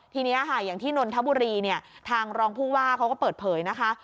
ทีนี้ค่ะอย่างที่นนทบุรีเนี่ยทางรองผู้ว่าเขาก็เปิดเผยนะคะ